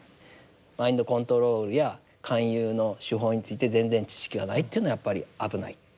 マインドコントロールや勧誘の手法について全然知識がないというのはやっぱり危ない。